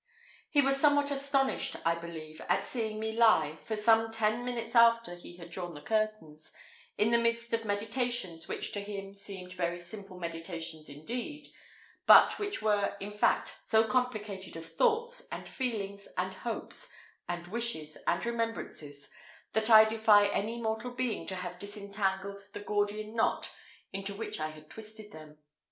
He was somewhat astonished, I believe, at seeing me lie, for some ten minutes after he had drawn the curtains, in the midst of meditations which to him seemed very simple meditations indeed, but which were, in fact, so complicated of thoughts, and feelings, and hopes, and wishes, and remembrances, that I defy any mortal being to have disentangled the Gordian knot into which I had twisted them.